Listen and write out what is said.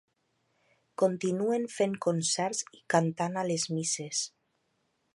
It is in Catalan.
Continuen fent concerts i cantant a les misses.